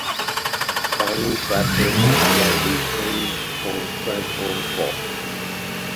Finally, fracturing along these planes forms transform faults.